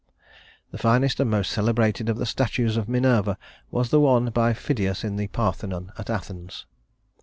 The finest and most celebrated of the statues of Minerva was the one by Phidias in the Parthenon at Athens.